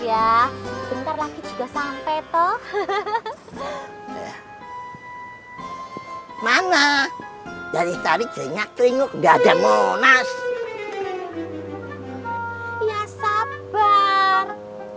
ya bentar lagi juga sampai toh mana dari tadi keringat keringut ada monas ya sabar